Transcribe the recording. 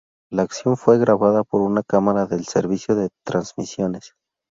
La acción fue grabada por un camara del Servicio de Transmisiones.